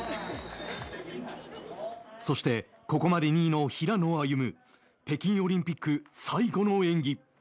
そして、ここまで２位の平野歩夢。北京オリンピック最後の演技。